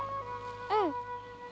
うん。